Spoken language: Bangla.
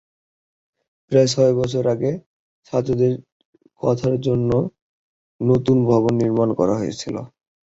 প্রায় ছয় বছর আগে ছাত্রদের থাকার জন্য নতুন ভবন নির্মাণ করা হয়েছিল।